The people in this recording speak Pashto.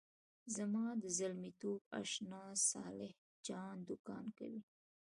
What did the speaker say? زما د زلمیتوب آشنا صالح جان دوکان کوي.